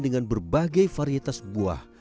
dengan berbagai varietas buah